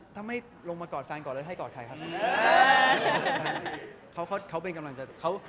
ถ้าไม่ลงมากอดแฟนก่อนเลยให้กอดใครครับ